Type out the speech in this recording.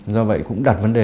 do vậy cũng đặt vấn đề